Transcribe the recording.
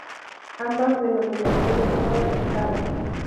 Ambas denominaciones son aceptadas.